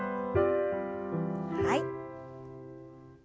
はい。